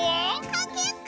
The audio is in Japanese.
かけっこ！